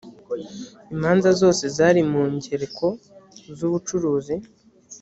imanza zose zari mu ngereko z ubucuruzi